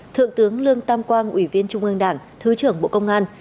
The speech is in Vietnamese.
thượng tướng lương tam quang ủy viên trung ương đảng thứ trưởng bộ công an